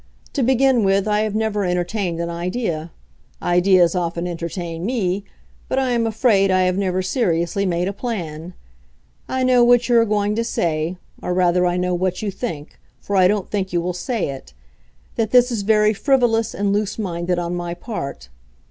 To begin with, I have never entertained an idea. Ideas often entertain me; but I am afraid I have never seriously made a plan. I know what you are going to say; or rather, I know what you think, for I don't think you will say it—that this is very frivolous and loose minded on my part.